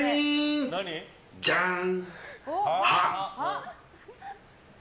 じゃーん！